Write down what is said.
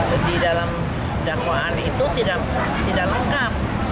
jadi dalam dakwaan itu tidak lengkap